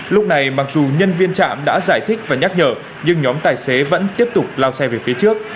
lúc này mặc dù nhân viên trạm đã giải thích và nhắc nhở nhưng nhóm tài xế vẫn tiếp tục lao xe về phía trước